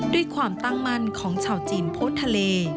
ด้วยความตั้งมั่นของชาวจีนพ้นทะเล